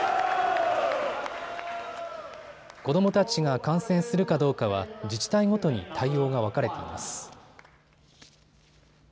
子どもたちが観戦するかどうかは自治体ごとに対応が分かれています。